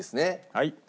はい。